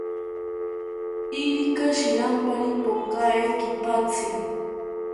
Irika shirampari pokae kipatzi